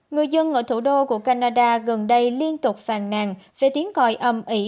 người dân ở thủ đô của canada gần đây liên tục phàn nàn về tiếng gọi âm ủy